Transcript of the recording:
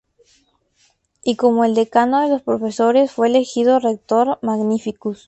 Y como el decano de los profesores, fue elegido rector magnificus.